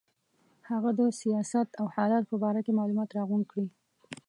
د هغه د سیاست او حالاتو په باره کې معلومات راغونډ کړي.